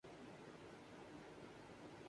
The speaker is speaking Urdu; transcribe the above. گیند کو دونوں ہاتھوں سے پکڑو